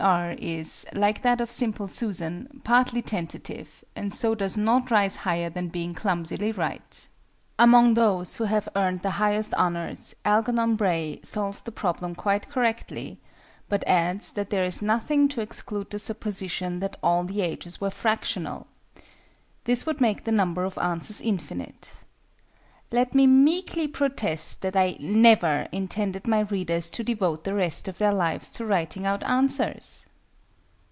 R. is, like that of SIMPLE SUSAN, partly tentative, and so does not rise higher than being Clumsily Right. Among those who have earned the highest honours, ALGERNON BRAY solves the problem quite correctly, but adds that there is nothing to exclude the supposition that all the ages were fractional. This would make the number of answers infinite. Let me meekly protest that I never intended my readers to devote the rest of their lives to writing out answers!